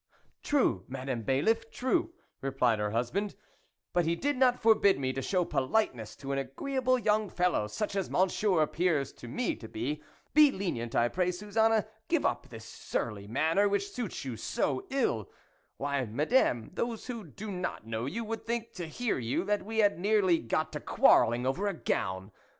"True, Madame Bailiff, true," replied her husband, " but he did not forbid me to show politeness to an agreeable young fellow such as Monsieur appears to me to be. Be lenient, I pray, Suzanne ; give up this surly manner, which suits you so ill. Why, Madame, those who do not know you, would think, to hear you, that we had nearly got to quarrelling over a gown.